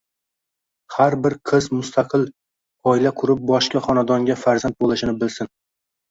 Har bir qiz mustaqil oila qurib boshqa xonadonga farzand bo‘lishini bilsin.